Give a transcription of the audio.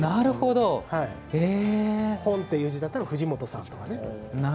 「本」っていう字だったら藤本さんみたいなね。